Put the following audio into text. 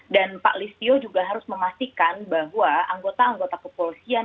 dan pak listio juga harus memastikan bahwa anggota anggota kepolisian